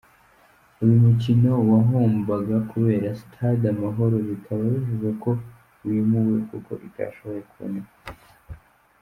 Uyu mukino wagombaga kubera kuri Sitade Amahoro, bikaba bivugwa ko wimuwe kuko itashoboye kuboneka.